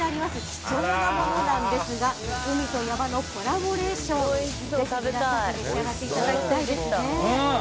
貴重なものなんですが海と山ものコラボレーションをぜひ召し上がっていただきたいですね。